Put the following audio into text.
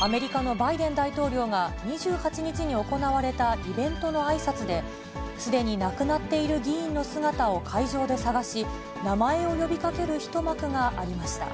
アメリカのバイデン大統領が、２８日に行われたイベントのあいさつで、すでに亡くなっている議員の姿を会場で探し、名前を呼びかける一幕がありました。